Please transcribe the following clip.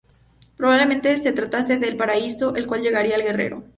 Probablemente se tratase del paraíso al cual llegaría el guerrero.